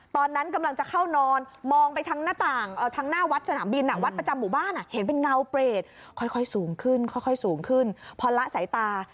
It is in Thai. เจ้ากำลังจะเข้านอนมองไป